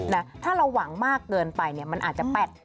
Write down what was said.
นะถ้าเราหวังมากเกินไปเนี่ยมันอาจจะแปด